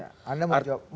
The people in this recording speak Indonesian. anda mau jawab